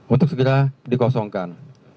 untuk segera dikosongkan